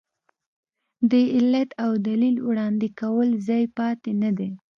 د علت او دلیل وړاندې کولو ځای پاتې نه دی.